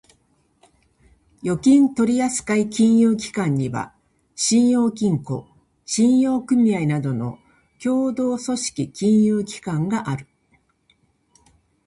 預金取扱金融機関には、信用金庫、信用組合などの協同組織金融機関がある。